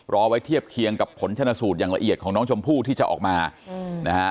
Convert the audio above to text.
รอไว้เทียบเคียงกับผลชนสูตรอย่างละเอียดของน้องชมพู่ที่จะออกมานะฮะ